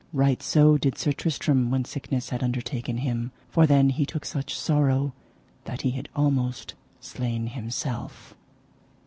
Right so did Sir Tristram when sickness had undertaken him, for then he took such sorrow that he had almost slain himself.